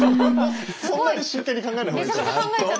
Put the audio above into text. そんなに真剣に考えない方がいいと思います。